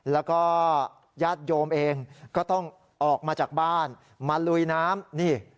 แล้วก็ญาติโยมเองก็ต้องออกมาจากบ้านมาลุยน้ำนี่